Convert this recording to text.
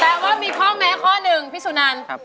แต่ว่ามีข้อแม้ข้อหนึ่งพี่สุนัน